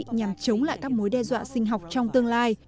điều trị nhằm chống lại các mối đe dọa sinh học trong tương lai